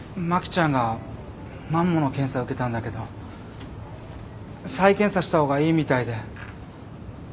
真貴ちゃんがマンモの検査受けたんだけど再検査した方がいいみたいで。